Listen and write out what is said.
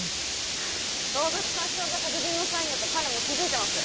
動物殺傷が殺人のサインだと彼も気付いてます。